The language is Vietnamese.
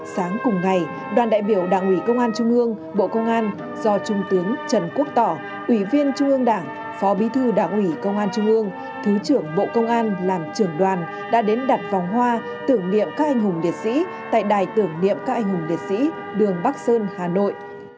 sáng cùng ngày đoàn đại biểu đảng ủy công an trung ương bộ công an do trung tướng trần quốc tỏ ủy viên trung ương đảng phó bí thư đảng ủy công an trung ương thứ trưởng bộ công an làm trưởng đoàn đã đến đặt vòng hoa tưởng niệm các anh hùng liệt sĩ tại đài tưởng niệm các anh hùng liệt sĩ đường bắc sơn hà nội